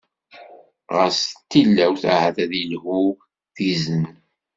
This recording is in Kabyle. Ɣas d tilawt, ahat ad yelhu d izen.